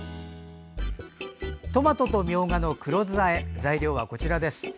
トマトとみょうがの黒酢あえの材料です。